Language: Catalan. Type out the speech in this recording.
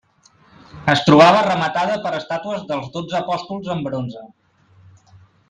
Es trobava rematada per estàtues dels dotze apòstols en bronze.